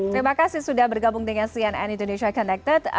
terima kasih sudah bergabung dengan cnn indonesia connected